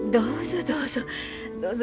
どうぞどうぞ。